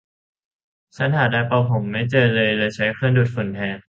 ชั้นหาไดร์เป่าผมไม่เจอเลยใช้เครื่องดูดฝุ่นแทน